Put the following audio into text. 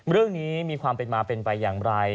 เรื่องนี้มีความเป็นมาเป็นไปอย่างไร